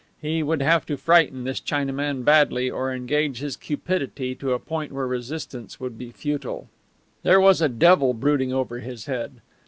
He would have to frighten this Chinaman badly, or engage his cupidity to a point where resistance would be futile. There was a devil brooding over his head.